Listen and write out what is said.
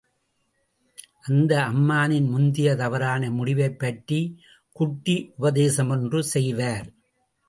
அந்த அம்மானின், முந்திய, தவறான முடிவைப் பற்றிக் குட்டி உபதேசமொன்று செய்வார்.